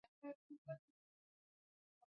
همېشه پر ځان بارو ولرئ، بیا کامیابي ستاسي ده.